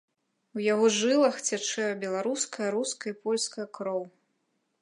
У яго жылах цячэ беларуская, руская і польская кроў.